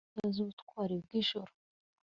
kubaho batazi ubutware bwIjuru